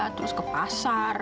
terus ke pasar